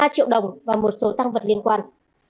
ba triệu đồng và một số tăng vật liên quan